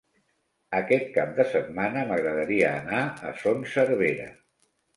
Aquest cap de setmana m'agradaria anar a Son Servera.